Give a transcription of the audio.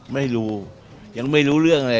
ไม่รู้ยังไม่รู้เรื่องอะไร